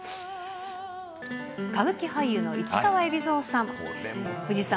歌舞伎俳優の市川海老蔵さん。